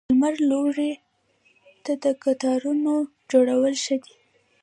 د لمر لوري ته د قطارونو جوړول ښه دي؟